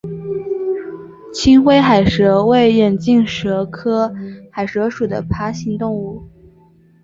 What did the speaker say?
青灰海蛇为眼镜蛇科海蛇属的爬行动物。